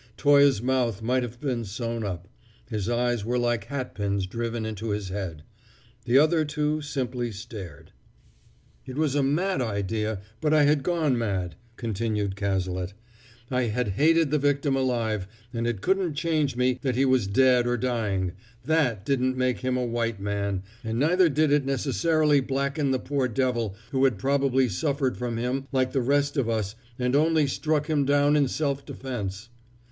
Toye's mouth might have been sewn up, his eyes were like hatpins driven into his head. The other two simply stared. "It was a mad idea, but I had gone mad," continued Cazalet. "I had hated the victim alive, and it couldn't change me that he was dead or dying; that didn't make him a white man, and neither did it necessarily blacken the poor devil who had probably suffered from him like the rest of us and only struck him down in self defense.